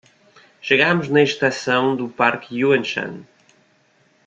Chegamos na estação do parque Yuanshan